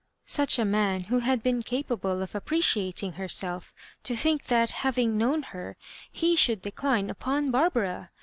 Such a man who had been capable of appreciating her^ self, to think that, having known her, he should decline upon Barbara!